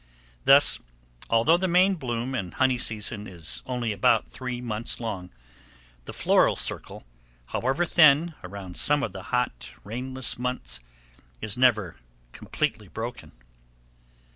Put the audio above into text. Thus, although the main bloom and honey season is only about three months long, the floral circle, however thin around some of the hot, rainless months, is never completely broken.